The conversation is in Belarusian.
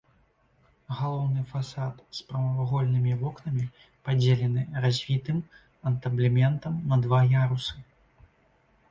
Галоўны фасад з прамавугольнымі вокнамі падзелены развітым антаблементам на два ярусы.